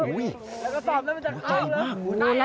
เฮ่ยตายมาก